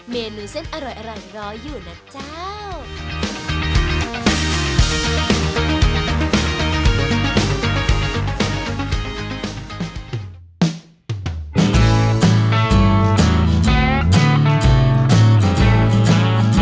เมนูเส้นอร่อยรออยู่นะเจ้า